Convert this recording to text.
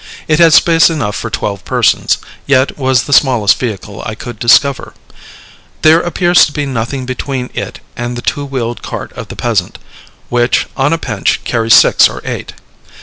It had space enough for twelve persons, yet was the smallest vehicle I could discover. There appears to be nothing between it and the two wheeled cart of the peasant, which, on a pinch, carries six or eight.